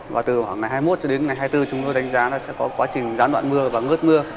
và từ khoảng ngày hai mươi một cho đến ngày hai mươi bốn chúng tôi đánh giá là sẽ có quá trình gián đoạn mưa và ngớt mưa